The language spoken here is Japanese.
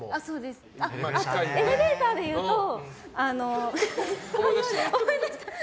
エレベーターでいうと思い出した。